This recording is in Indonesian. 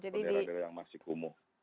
ke daerah daerah yang masih kumuh